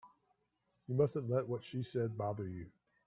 You mustn't let what she said bother you.